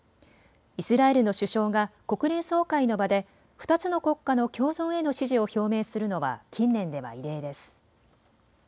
イスラエルの首相が国連総会の場で２つの国家の共存への支持を表明するのは近年では異例です。